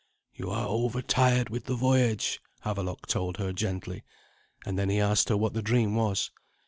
"You are overtired with the voyage," Havelok told her gently; and then he asked her what the dream was.